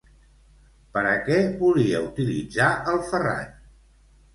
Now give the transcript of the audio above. Per a què volia utilitzar el Ferràn?